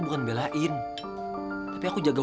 kalau kalauibr tds udah quasi setengah